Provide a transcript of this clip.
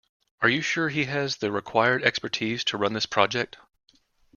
Are you sure he has the required expertise to run this project?